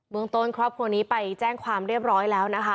เมืองต้นครอบครัวนี้ไปแจ้งความเรียบร้อยแล้วนะคะ